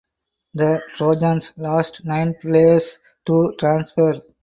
The Trojans lost nine players to transfer.